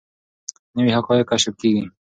نوي حقایق کشف کیږي.